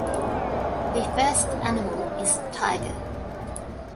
The first animal is Tiger.